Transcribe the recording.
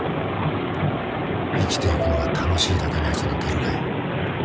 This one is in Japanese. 生きていくのが楽しいだけのやつなんているかよ